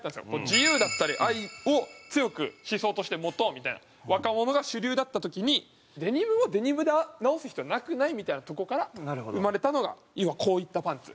自由だったり愛を強く思想として持とうみたいな若者が主流だった時にデニムをデニムで直す必要なくない？みたいなとこから生まれたのが要はこういったパンツ。